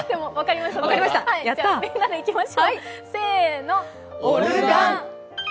じゃ、みんなでいきましょう。